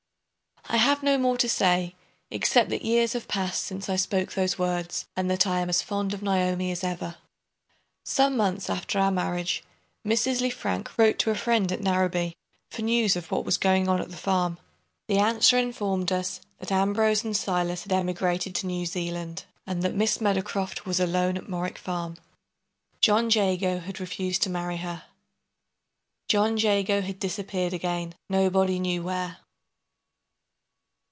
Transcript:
I have no more to say, except that years have passed since I spoke those words and that I am as fond of Naomi as ever. Some months after our marriage, Mrs. Lefrank wrote to a friend at Narrabee for news of what was going on at the farm. The answer informed us that Ambrose and Silas had emigrated to New Zealand, and that Miss Meadowcroft was alone at Morwick Farm. John Jago had refused to marry her. John Jago had disappeared again, nobody knew where.